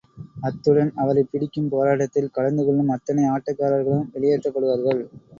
அத்துடன் அவரைப் பிடிக்கும் போராட்டத்தில் கலந்துகொள்ளும் அத்தனை ஆட்டக்காரர்களும் வெளியேற்றப்படுவார்கள்.